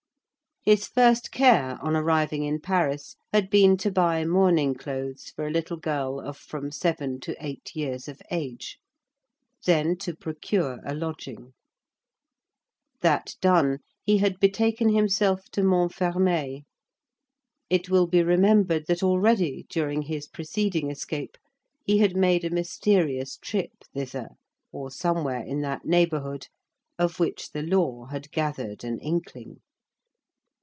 His first care on arriving in Paris had been to buy mourning clothes for a little girl of from seven to eight years of age; then to procure a lodging. That done, he had betaken himself to Montfermeil. It will be remembered that already, during his preceding escape, he had made a mysterious trip thither, or somewhere in that neighborhood, of which the law had gathered an inkling.